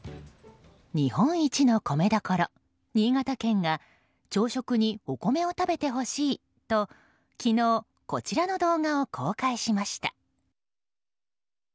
日本一の米どころ、新潟県が朝食にお米を食べてほしいと昨日、こちらの動画を公開しました。